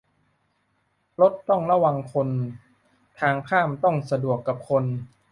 รถต้องระวังคน ทางข้ามต้องสะดวกกับคน